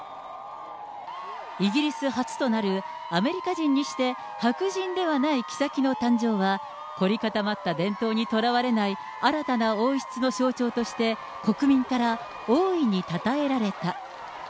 イギリス初となる、アメリカ人にして白人ではない妃の誕生は、凝り固まった伝統にとらわれない新たな王室の象徴として、国民から大いにたたえられた。